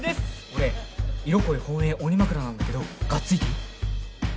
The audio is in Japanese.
俺色恋本営鬼枕なんだけどがっついていい？